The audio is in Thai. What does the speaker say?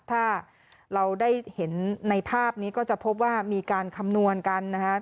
ถ้าเราได้เห็นในภาพนี้ก็จะพบว่ามีการคำนวณกันนะคะ